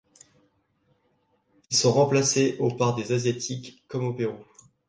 Ils sont remplacés au par des Asiatiques, comme au Pérou.